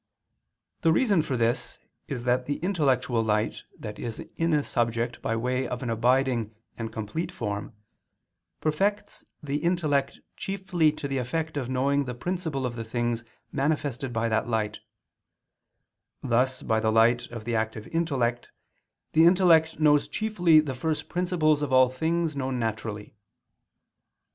The reason for this is that the intellectual light that is in a subject by way of an abiding and complete form, perfects the intellect chiefly to the effect of knowing the principle of the things manifested by that light; thus by the light of the active intellect the intellect knows chiefly the first principles of all things known naturally.